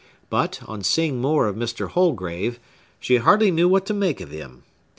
But, on seeing more of Mr. Holgrave, she hardly knew what to make of him.